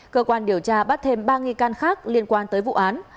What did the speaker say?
cơ quan điều tra bắt thêm ba nghi can khác liên quan tới vụ án